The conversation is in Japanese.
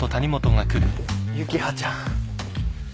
幸葉ちゃん。